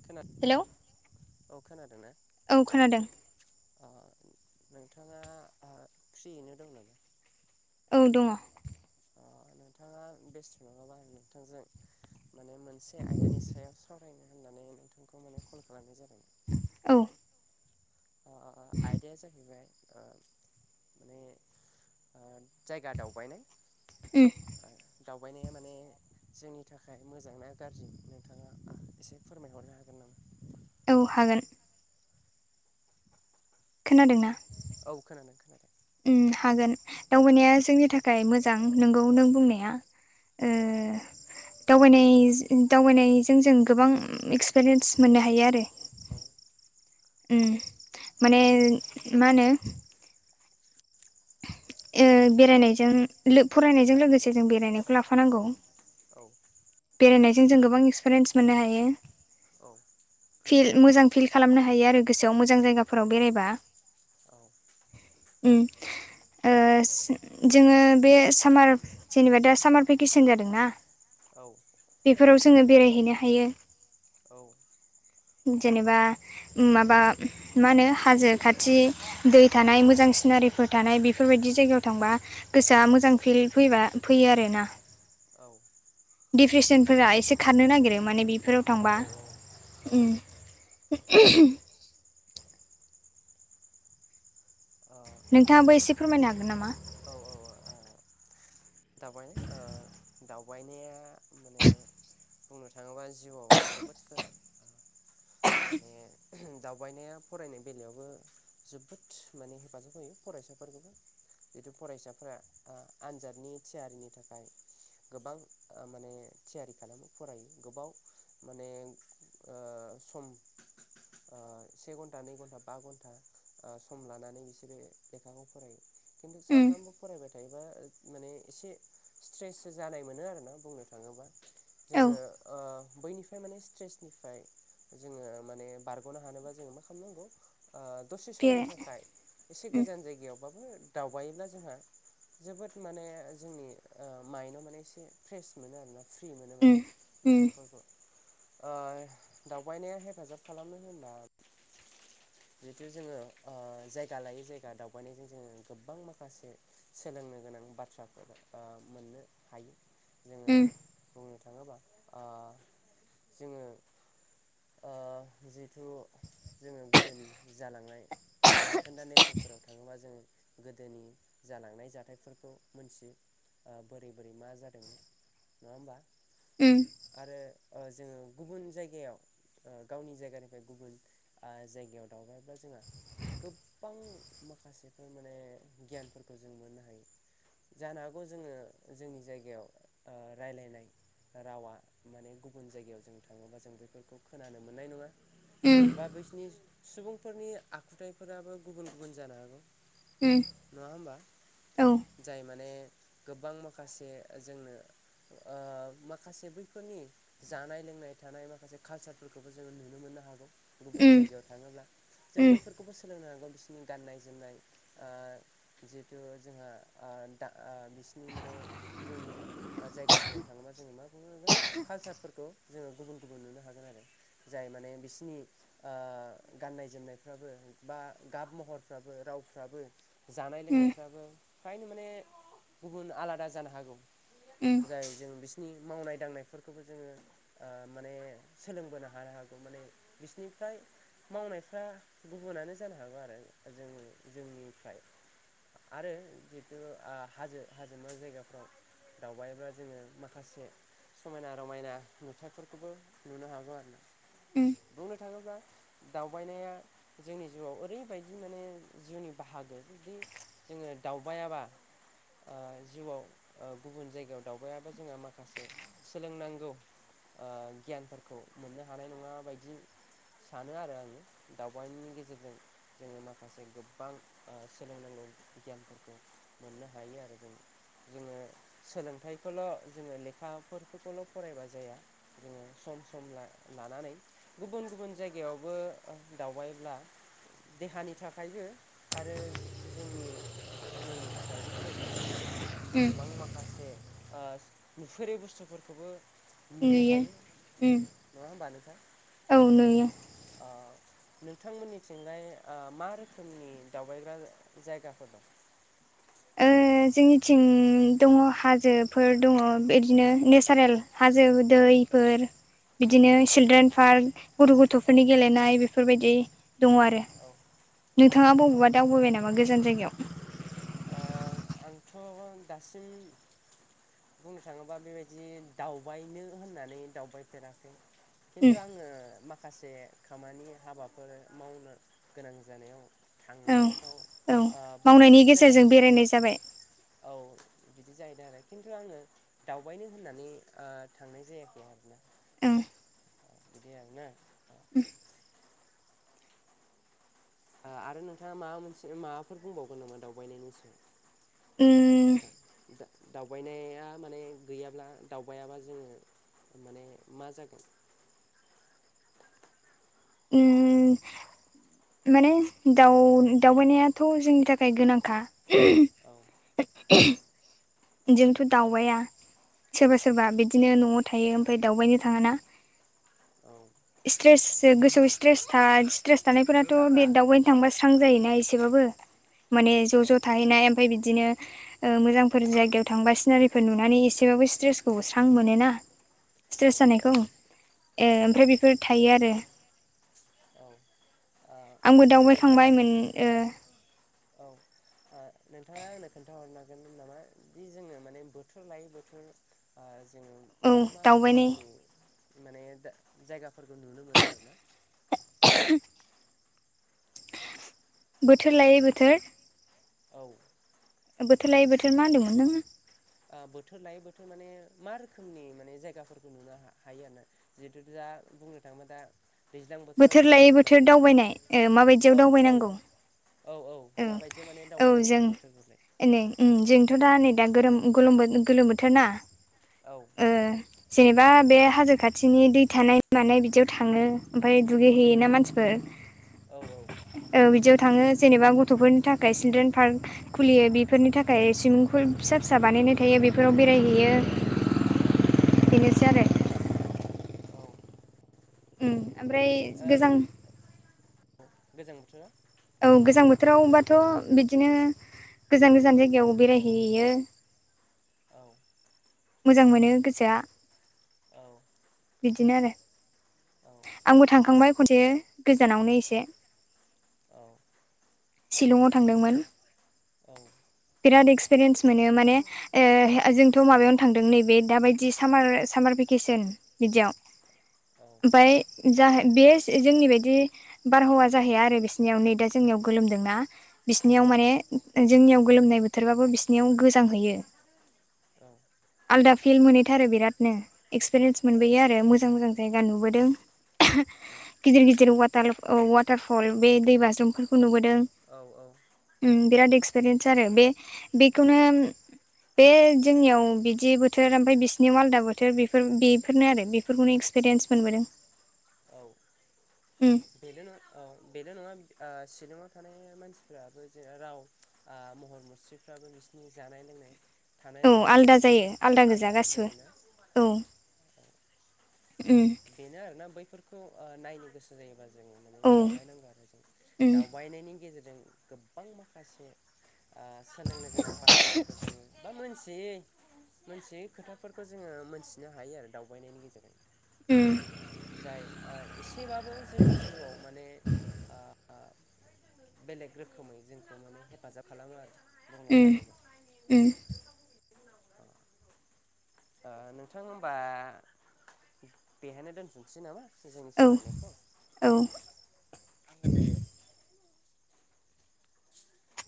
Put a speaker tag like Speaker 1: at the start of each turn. Speaker 1: खोनादों
Speaker 2: हेलौ
Speaker 1: औ खोनादोंना।
Speaker 2: औ खोनादों
Speaker 1: नोंथाङा ख्रियैनो दं नामा।
Speaker 2: औ दङ।
Speaker 1: अ नोंथाङा बेस्ट नङाबा नोंथांजों। माने मोनसे आयदानि सायाव सावरायनो होननानै नोंथांखौ माने कल खालामनाय जादों।
Speaker 2: औ।
Speaker 1: अ अ अ आइडयास हबायाय। माने जायगा दावबायनाय।
Speaker 2: उम
Speaker 1: ओ दावबायनाया माने जोंनि थाखाय मोजां ना गाज्रि नोंथाङा एसे फोरमायहरनो हागोन नामा?
Speaker 2: औ हागोन। खोनादों ना?
Speaker 1: औ खोनादों खोनादों
Speaker 2: उम हागोन दावबायनाया जोंनि थाखाय मोजां नोंगौ नों बुंनाया। ओ दावबायनाय जो दावबायनायजों जों गोबां एक्सपिरियेन्स मोननो हायो आरो।
Speaker 1: औ
Speaker 2: उम माने मा होनो ओ बेरायनायजों लो फरायनायजों लोगोसे जों बेरायनायखौ लाफानांगौ।
Speaker 1: औ
Speaker 2: बेरायनायजों जों गोबां एक्सपिरियेन्स मोननो हायो।
Speaker 1: औ
Speaker 2: फिल मोजां फिल खालामनो हायो आरो गोसोआव मोजां जायगाफोराव बेरायबा।
Speaker 1: औ
Speaker 2: उम ओ जोङो बे सामार जेनेबा दा सामार भेकेसन जादोंना।
Speaker 1: औ
Speaker 2: बेफोराव जोङो बेरायहैनो हायो।
Speaker 1: औ
Speaker 2: जेनेबा माबा मा होनो हाजो खाथि दै थानाय मोजां सिनारिफोर थानाय बि फोरबायदि जायगायाव थांबा गोसोआ मोजां फिल फैबा फैयो आरोना।
Speaker 1: औ
Speaker 2: डिप्रेसनफोरा एसे खारनो नागिरो माने बिफोराव थांबा।
Speaker 1: औ
Speaker 2: उम
Speaker 1: ओ
Speaker 2: नोंथाङाबो एसे फोरमायनो हागोन नामा?
Speaker 1: औ औ औ दावबायनाय ओ दावबायनाया माने बुंनो थाङोबा जिउआव जोबोद गोनां। ओ माने दावबायनाया फरायनाय बेलायावबो जोबोदस माने हेफाजाब होयो फरायसाफोरखौबो। जिथु फरायसाफोरा ओ आनजादनि थियारिनि थाखाय गोबां ओ माने थियारि खालामो फरायो गोबाव माने ओ सम ओ से घन्टा नै घन्टा बा घन्टा ओ सम लानानै बिसोरो लेखाखौ फरायो। खिन्थु
Speaker 2: उम
Speaker 1: सानफ्रामबो फरायबाय थायोबा ओ माने एसे स्ट्रेससो जानाय मोनो आरोना बुंनो थाङोबा।
Speaker 2: औ
Speaker 1: जोङो ओ बैनि फाय माने स्ट्रेसनिफ्राय जोङो माने बारग'नो हानोबा जोङो मा खालामनांगौ ओ दसे
Speaker 2: बे
Speaker 1: समनि थाखाय एसे
Speaker 2: उम
Speaker 1: गोजान जायगायावबाबो दावबायोब्ला जोंहा जोबोद माने जोंनि ओ माइन्दआव माने एसे फ्रेस मोनो आरोना। फ्रि मोनो
Speaker 2: उम
Speaker 1: माने
Speaker 2: उम
Speaker 1: गोसोफोरखौ। ओ दावबायनाया हेफाजाब खालामो होनना जिथु जोङो ओ जायगा लायै जायगा दावबायनायजों जोङो गोबां माखासे सोलोंनो गोनां बाथ्राफोर ओ मोननो हायो। जोङो
Speaker 2: उम
Speaker 1: बुंनो थाङोबा ओ जोङो ओ जिथु जोङो गोदोनि जालांनाय बायखोन्दा नेशमफोराव थाङोबा जोंङो गोदोनि जालांनाय जाथायफोरखौ मोनथियो बोरै बोरै मा जादोंमोन। नंङा होमबा?
Speaker 2: उम।
Speaker 1: आरो ओ जोंङो गुबुन जायगायाव गावनि जायगानिफ्राय गुबुन जायगायाव दावबायब्ला जोंहा गोबां माखासेफोर माने गियानफोरखौ जों मोननो हायो। जानो हागौ जोङो जोंनि जायगायाव ओ राय्लायनाय रावा माने गुबुन जायगायाव जों थाङोबा जों बेफोरखौ खोनानो मोननाय नंङा
Speaker 2: उम
Speaker 1: बा बिसनि सुबुंफोरनि आखुथायाइफोराबो गुबुन गुबुन जानो हागौ।
Speaker 2: उम
Speaker 1: नंङा होमबा
Speaker 2: औ
Speaker 1: जाय माने गोबां माखासे जोंनो माखासे बैफोरनि जानाय लोंनाय थानाय माखासे कालसारफोरखौबो जोंङो नुनो मोननो हागौ गुबुन
Speaker 2: उम
Speaker 1: जायगायाव थाङोब्ला जों
Speaker 2: उम उम
Speaker 1: बैफोरखौबो सोलोंनो हांगौ बिसोरनि गाननाय जोमनाय ओ जिहेथु जोंहा दा ओ बिसिनि माने गुबुन जायगाफोराव थांङोबा जोंङो मा बुंनो हांगोन कालसारफोरखौ जोंङो गुबुन गुबुन नुनो हागोन। आरो जाय माने बिसिनि ओ गाननाय जोमनायफ्राबो बा गाब महरफ्राबो रावफ्राबो जानाय लोंनायफ्राबो फ्रायनो माने गुबुन आलादा जानो हागौ।
Speaker 2: उम।
Speaker 1: जाय जों बिसोरनि मावनाय दांनायफोरखौबो जोंङो माने सोलोंबोनो हानो हागौ माने बिसिनिफ्राय मावनायफ्रा गुबुनानो जानो हागौ आरो जों जोंनिफ्राय आरो जितु हाजो हाजोमा जायगाफ्राव दावबायब्लाा जोंङो माखासे समायना रमायना नुथाफोरखौबो नुनो हागौ आरो ना
Speaker 2: उम
Speaker 1: बुंनो थांङोबा दावबायनाया जोंनि जिउआव ओरैबायदि माने जिउनि बाहागो बिदि जोंङो दावबायाबा ओ जिउआव गुबुन जायगायाव दावबायाबा जोंहा माखासे सोलोंनांगौ ओ गियानफोरखौ मोननो हानाय नङा बायदि सानो आरो आंङो दावबायनायनि गेजेरजों जोंङो माखासे गोबां सोलोंनांगौ गियानफोरखौ मोननो हायो आरो जों जोंङो सोलोंथाइखौल' जोंङो लेखाफोरखौल' फरायबा जाया जोंङो। सम सम लानानै गुबुन गुबुन जायगायावबो दावबायब्ला देहानि थाखायबो आरो जोंनि जिउनि थाखायबो मोजां आरो जोंनि
Speaker 2: उम
Speaker 1: गोबां माखासे ओ नुफेरै बुस्थुफोरखौबो
Speaker 2: नुयो उम।
Speaker 1: नंङा होमबानोंथां?
Speaker 2: औ नुयो।
Speaker 1: ओ। नोंथांमोननिथिंहाय ओ मा रोखोमनि दावबायग्रा जायगाफोर दं?
Speaker 2: ओ जोंनिथिं दङ हाजोफोर दङ बिदिनो नेसारेल हाजो दैफोर
Speaker 1: औ
Speaker 2: बिदिनो सिलद्रेन पार्क गथ'
Speaker 1: औ
Speaker 2: गथ'फोरनि गेलेनाय बेफोरबायदि दङ आरो।
Speaker 1: औ
Speaker 2: नोंथाङा
Speaker 1: औ
Speaker 2: बबेबा दावबोबाय नामा गोजान जायगायाव
Speaker 1: ओ आंथ' दासिम बुंनो थाङोबा बेबायदि दावबायनो होननानै दावबायफेराखै
Speaker 2: उम
Speaker 1: खिन्थु आङो माखा माखासे खामानि हाबाफोर मावनो गोनां जानायाव
Speaker 2: औ
Speaker 1: थांनायफ्राव
Speaker 2: औ मावनायनि
Speaker 1: बैफोर
Speaker 2: गेजेरजों
Speaker 1: जायगाफोरखौ
Speaker 2: बेरायनाय जाबाय
Speaker 1: औ बिदि जाहैदों आरो खिन्थु आङो दावबायनो होननानै थांनाय जायाखै आरोना
Speaker 2: उम।
Speaker 1: बिदि आरो ना। आरो नोंथाङा माबा मोनसे माबाफोर बुंबावगोन नामा दावबायनायनि सोमोन्दै
Speaker 2: उम
Speaker 1: दावबायनाया माने गैयाब्ला दावबायाबा जोङो माने मा जागोन
Speaker 2: उम माने दावबायनायाथ' जोंनि थाखाय गोनांखा
Speaker 1: औ
Speaker 2: उम जोंथ' दावबायनाया सोरबा सोरबा बिदिनो न'आव थायो ओमफ्राय दावबायनो थाङाना
Speaker 1: औ
Speaker 2: स्ट्रेस गोसोआव स्ट्रेस थानायफोराथ' बे दावबायनो थांबा स्रां जायोना एसेबाबो माने ज'
Speaker 1: औ
Speaker 2: ज' थाहैनाय ओमफ्राय बिदिनो मोजांफोर जायो बेयाव थांबा सिनारिफोर नुनानै एसेबाबो स्ट्रेसखौ स्रां मोनो ना
Speaker 1: औ
Speaker 2: स्ट्रेस जानायखौ ए
Speaker 1: औ
Speaker 2: ओमफ्राय बेफोर थायो आरो
Speaker 1: औ ओ
Speaker 2: आंबो
Speaker 1: नोंथाङा
Speaker 2: दावबायखांबाय मोन
Speaker 1: औ नोंथाङा आंनो खोन्थाहरनांगोन नामा बे जोङो माने बोथोर लायै बोथोर जोङो
Speaker 2: औ
Speaker 1: मा मा
Speaker 2: दावबायनाय
Speaker 1: रोखोमनि माने जायगाफोरखौ नुनो मोनो आरो ना
Speaker 2: [inaudible] बोथोर लायै बोथोर
Speaker 1: औ
Speaker 2: बोथोर लायै बोथोर मा होनदोंमोन नोङो
Speaker 1: बोथोर लायै बोथोर माने मा रोखोमनि माने जायगाफोरखौ नुनो हायो आरो ना जिहेथु दा बुंनो थाङोबा दा दैज्लां बोथोराव
Speaker 2: बोथोर
Speaker 1: जोङो
Speaker 2: लायै बोथोर
Speaker 1: माने
Speaker 2: दावबायनाय ओ माबायदियाव
Speaker 1: औ औ
Speaker 2: दावबायनांगौ
Speaker 1: औ औ माबायदि माने दावबायनांगौ आरो बोथोर लानानै
Speaker 2: एै जोंथ' दा नै दाथ गोलोम बोथोर ना
Speaker 1: औ
Speaker 2: ओ जेनेबा बे हाजो खाथिनि दै थानाय मानाय बिदियाव थाङो ओमफ्राय दुगै हैैयोना मानसिफोर [inaudible]
Speaker 1: औ औ
Speaker 2: औ बिदियाव थाङो जेनेबा गथ'फोरनि थाखाय सिलद्रेन पार्क खुलियो बेफोरनि थाखाय सुइमिं फुल फिसा फिसा बानायनाय थायो बेफोराव बेरायहैयो
Speaker 1: औ
Speaker 2: बेनोसै आरो
Speaker 1: औ
Speaker 2: उम ओमफ्राय
Speaker 1: आरो
Speaker 2: गोजां
Speaker 1: गोजां बोथोराव
Speaker 2: औ गोजां बोथोरावबाथ' बिदिनो गोजान गोजान जायगायाव बेरायहैयो
Speaker 1: औ
Speaker 2: मोजां मोनो गोसोआ
Speaker 1: औ
Speaker 2: बिदिनो आरो
Speaker 1: औ
Speaker 2: आंबो थांखांबाय खनसे गोजानावनो एसे
Speaker 1: औ
Speaker 2: शिलंआव थांदोंमोन
Speaker 1: औ औ
Speaker 2: बिराद एक्सपिरियेन्स मोनो माने ओ जोंथ' माबायावनो थांदों नैबे दाबायदि साम सामार भेकेसन बिदियाव
Speaker 1: औ
Speaker 2: ओमफाय जा बे जोंनि बायदि बारहावा जाहैया आरो बिसिनियाव नै दा जोंनियाव गोलोमदोंना बिसिनियाव माने जोंनियाव गोलोमनाय बोथोरबाबो बिसि याव गोजां हैयो आलदा फिल मोनहैथारो बिरादनो एक्सपिरिेन्स मोनबोयो आरो मोजां मोजां जायगा नुबोदों
Speaker 1: औ
Speaker 2: गिदिर गिदिर वाटार वाटारफल बे दै बाज्रुमफोरखौ नुबोदों
Speaker 1: औ औ
Speaker 2: उम बिराद एक्सपिरियेन्स आरो बे बेखौनो उम बे जोंनियाव बिदि बोथोर ओमफाय बिसिनियाव आलादा बोथोर बेफोर बेफोरनो आरो बे बेफोरखौनो एक्सपिरियन्स मोनबोदों
Speaker 1: औ
Speaker 2: उम
Speaker 1: [inaudible] बेल' नङा शिलंआव थानाय मानसिफोराबो जे राव आ महर मुस्रिफ्राबो बिसिनि जानाय लोंनाय थानाय
Speaker 2: औ आलदा
Speaker 1: लुनायफोराबो
Speaker 2: जायो गोजा
Speaker 1: आलदा
Speaker 2: गासिबो
Speaker 1: जायोना
Speaker 2: औ उम
Speaker 1: बेनो आरोना बैफोरखौ ओ नायनो गोसो [inaudible] जायोबा जों मानि
Speaker 2: औ उम
Speaker 1: दावबायनांगौ आरो जों दावबायनायनि गेजेरजों गोबां माखासे ओ सोलोंनो गोनां बाथ्राफोरखौ जोङो बा मिथियै मोनथियै खोथाफोरखौ जोङो मोनथिनो हायो आरो दावबायनायनि गेजेरजों
Speaker 2: ओम
Speaker 1: जाय एसेबाबो जोंनि जिउआव माने आ बेलेग रोखोमै जोंखौ माने हेफाजाब खालामो आरो बुंनो
Speaker 2: उम
Speaker 1: थाङोब्ला
Speaker 2: उम
Speaker 1: ओ नोंथां होनबा बेहायनो दोनथ'सै नामा जोंनि
Speaker 2: औ
Speaker 1: सावरायनायखौ
Speaker 2: औ